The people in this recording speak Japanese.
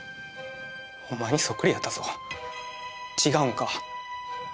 お前にそっくりやったぞ違うんか？